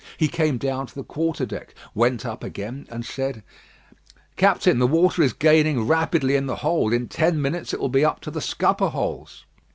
He came down to the quarter deck, went up again, and said: "Captain, the water is gaining rapidly in the hold. In ten minutes it will be up to the scupper holes."